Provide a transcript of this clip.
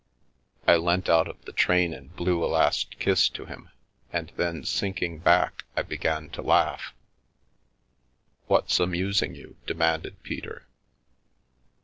" I leant out of the train and blew a last kiss to him, and then, sinking back, I began to laugh. " What's amusing you ?" demanded Peter.